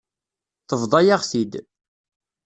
Tebḍa-yaɣ-t-id.